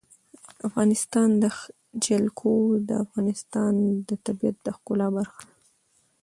د افغانستان جلکو د افغانستان د طبیعت د ښکلا برخه ده.